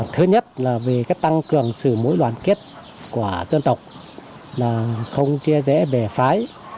thứ nhất là về tăng cường sự mối đoàn kết của dân tộc không chia rẽ bẻ phái